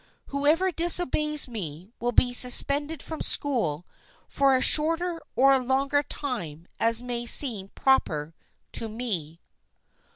Whoever disobeys me will be suspended from school for a shorter or a longer time as may seem proper to me."